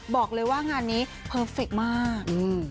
บอกเลยว่างานนี้เพอร์เฟคมาก